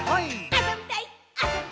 「あそびたいっ！」